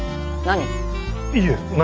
何？